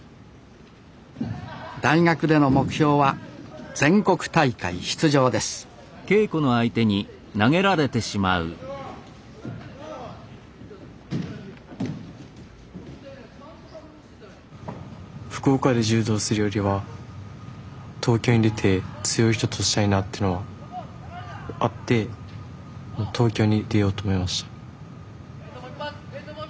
大学での目標は全国大会出場です福岡で柔道するよりは東京に出て強い人としたいなっていうのはあって東京に出ようと思いました。